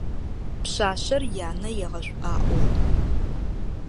Пшъашъэр янэ егъэшӀуаӀо.